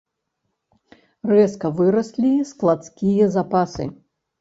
Рэзка выраслі складскія запасы.